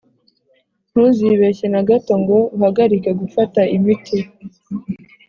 ntuzibeshye na gato ngo uhagarike gufata imiti